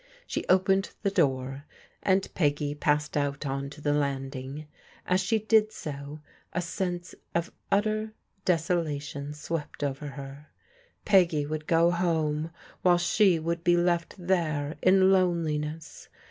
She opened the door and Peggy passed out on to the landing. As she did so, a sense of utter desolation swept over her. Peggy would go home while she would be left there in loneliness.